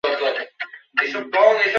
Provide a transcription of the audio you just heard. তৎকালীন সময়ের উল্লেখযোগ্য মূর্তি ছিল উযযা।